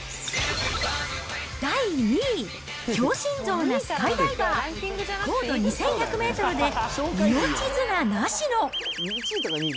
第２位、強心臓なスカイダイバー、高度２１００メートルで命綱なしの×××。